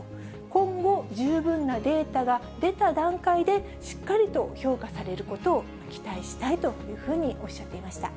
今後、十分なデータが出た段階でしっかりと評価されることを期待したいというふうにおっしゃっていました。